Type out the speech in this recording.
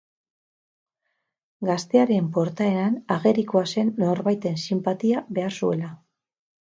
Gaztearen portaeran agerikoa zen norbaiten sinpatia behar zuela.